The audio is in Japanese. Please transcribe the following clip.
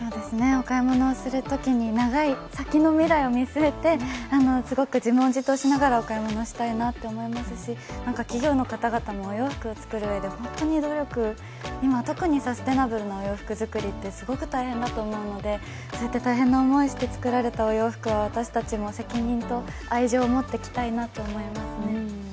お買い物をするときに先の未来を見据えてすごく自問自答しながらお買い物をしたいなと思いますし、企業の方々もお洋服をつくる上で本当に努力、今、特にサステナブルな取り組みってすごく大変だと思うのでそうやって大変な思いをして作られたお洋服は私たちも責任と愛情を持って着たいなと思いますね。